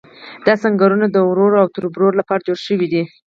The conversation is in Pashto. دا سنګرونه د ورور او تربور لپاره جوړ شوي دي.